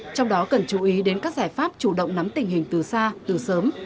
trong đó cần chú ý đến các giải pháp chủ động nắm tình hình từ xa từ sớm